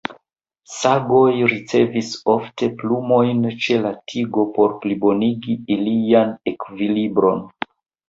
Sagoj ricevis ofte plumojn ĉe la tigo por plibonigi ilian ekvilibron.